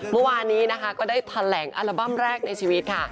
เมื่อวานนี้นะคะก็ได้แถลงอัลบั้มแรกในชีวิตค่ะ